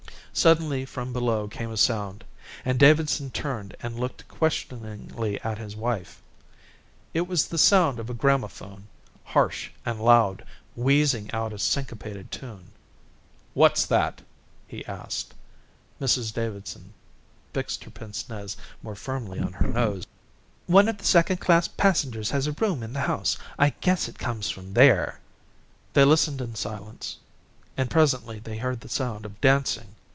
Suddenly from below came a sound, and Davidson turned and looked questioningly at his wife. It was the sound of a gramophone, harsh and loud, wheezing out a syncopated tune. "What's that?" he asked. Mrs Davidson fixed her pince nez more firmly on her nose. "One of the second class passengers has a room in the house. I guess it comes from there." They listened in silence, and presently they heard the sound of dancing.